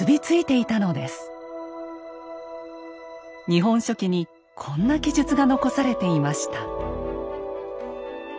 「日本書紀」にこんな記述が残されていました。